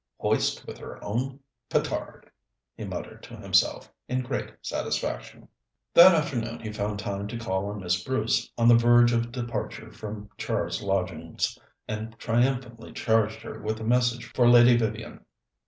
"Hoist with her own petard!" he muttered to himself in great satisfaction. That afternoon he found time to call on Miss Bruce, on the verge of departure from Char's lodgings, and triumphantly charged her with a message for Lady Vivian.